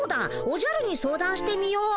おじゃるに相談してみよう。